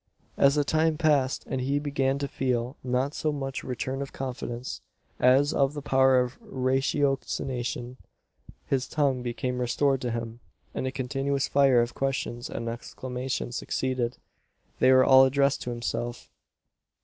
As the time passed, and he began to feel, not so much a return of confidence, as of the power of ratiocination, his tongue became restored to him; and a continuous fire of questions and exclamations succeeded. They were all addressed to himself.